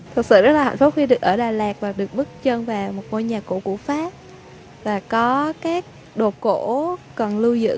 thật sự rất là hạnh phúc khi được ở đà lạt và được bước chân về một ngôi nhà cũ của pháp và có các đồ cổ cần lưu giữ